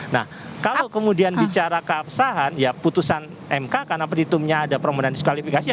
nah kalau kemudian bicara keabsahan ya putusan mk karena perhitungnya ada permohonan diskualifikasinya